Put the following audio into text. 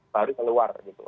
baru keluar gitu